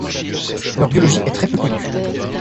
Leur biologie est très peu connue.